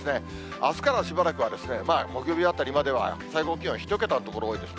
あすからしばらくは、木曜日あたりまでは、最高気温１桁の所多いですね。